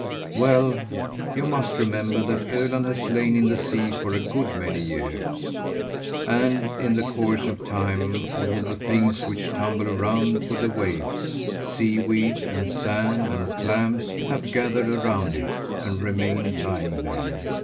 "Well, you must remember that Öland has lain in the sea for a good many years, and in the course of time all the things which tumble around with the waves sea weed and sand and clams have gathered around it, and remained lying there.